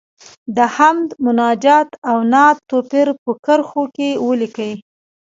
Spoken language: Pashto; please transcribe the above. د حمد، مناجات او نعت توپیر په کرښو کې ولیکئ.